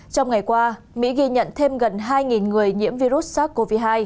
trong ngày qua mỹ ghi nhận thêm gần hai người nhiễm virus sars cov hai